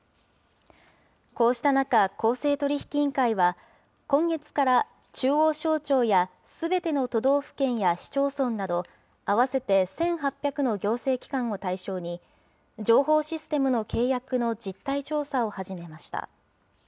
こうした中、公正取引委員会は、今月から中央省庁やすべての都道府県や市町村など、合わせて１８００の行政機関を対象に、情報システムの契約の実態調査を始めました。